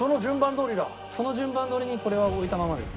その順番どおりにこれは置いたままです。